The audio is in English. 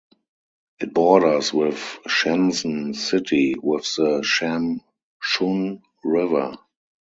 It borders with Shenzhen city with the Sham Chun River.